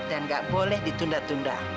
dan gak boleh ditunda tunda